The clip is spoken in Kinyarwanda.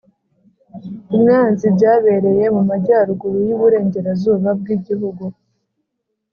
umwanzi byabereye mu majyaruguru y'iburengerazuba bw'igihugu,